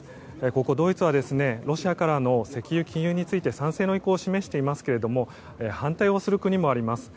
ここドイツはロシアからの石油禁輸について賛成の意向を示していますけれども反対をする国もあります。